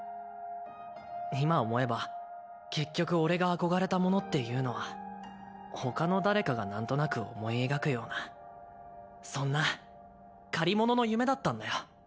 今思えば結局俺が憧れたものっていうのはほかの誰かがなんとなく思い描くようなそんな借り物の夢だったんだよ。